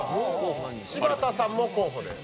柴田さんも候補で。